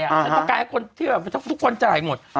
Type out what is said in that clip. ก็ใกล้เป็นคนที่ทุกคนจ่ายหมด